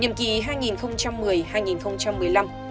nhiệm kỳ hai nghìn một mươi hai nghìn một mươi năm